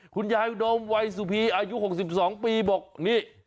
คุณยายอุดมวัยสุพีอายุ๖๒ปีบอกนี่